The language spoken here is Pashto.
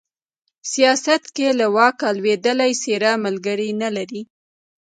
سياست کې له واکه لوېدلې څېره ملگري نه لري